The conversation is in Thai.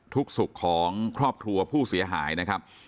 สุขของครอบครัวผู้เสียหายนะครับ